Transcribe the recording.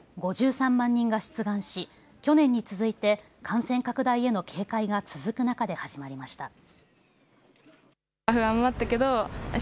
５３万人が出願し、去年に続いて感染拡大への警戒が続く中で始まりました。